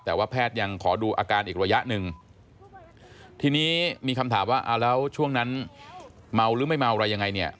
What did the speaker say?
แต่ว่าแพทย์ยังขอดูอาการอีกระยะหนึ่งทีนี้มีคำถามว่าเอาแล้วช่วงนั้นเมาหรือไม่เมาอะไรยังไงเนี่ย